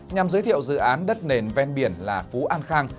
nhằm giới thiệu dự án đất nền ven biển là phú an khang